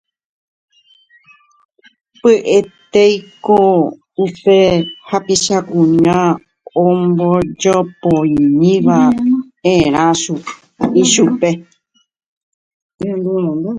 Py'ỹinteko upe hapicha kuña ombojopóimiva'erã ichupe.